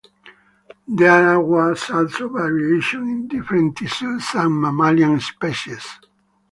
There was also variation in different tissues and mammalian species.